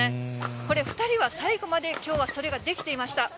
これ、２人は最後まできょうはそれができていました。